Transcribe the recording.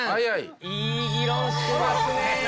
いい議論してますね！